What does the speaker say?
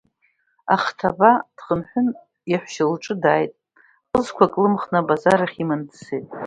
Ахҭабаа дхынҳәны иаҳәшьа лҿы дааит, ҟызқәак лымхны абазар ахь иманы дцеит.